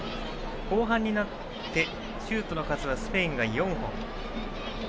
後半になってシュートの数はスペインが４本。